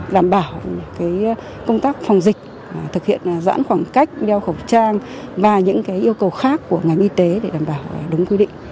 đảm bảo công tác phòng dịch thực hiện giãn khoảng cách đeo khẩu trang và những yêu cầu khác của ngành y tế để đảm bảo đúng quy định